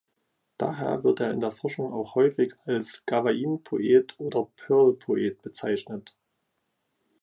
Daher wird er in der Forschung auch häufig als „Gawain-Poet“ oder „Pearl-Poet“ bezeichnet.